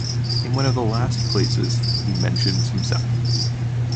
In one of the last places, he mentions himself.